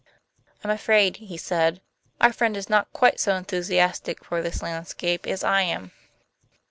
"I am afraid," he said, "our friend is not quite so enthusiastic for this landscape as I am."